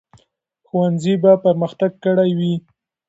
ښوونځي به پرمختګ کړی وي.